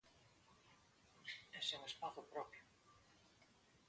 E sen espazo propio.